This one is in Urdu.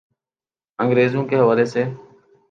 انگریزوں کے حوالے سے۔